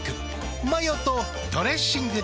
マヨとドレッシングで。